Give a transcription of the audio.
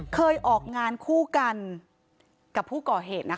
เคยออกงานคู่กันกับผู้ก่อเหตุนะคะ